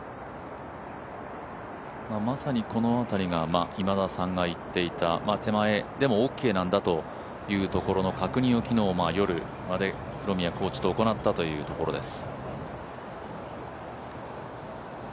まさにこの辺りが今田さんが言っていた手前でもオッケーなんだというところの確認を夜、黒宮コーチと行ったということです。